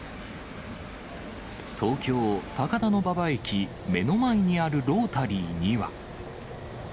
東京・高田馬場駅目の前にあるロータリーには。